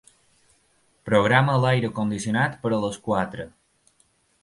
Programa l'aire condicionat per a les quatre.